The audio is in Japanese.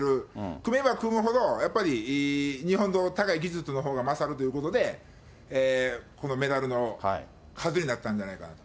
組めば組むほど、やっぱり日本の高い技術のほうが勝るということで、このメダルの数になったんじゃないかなと。